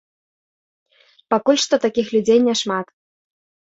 Пакуль што такіх людзей няшмат.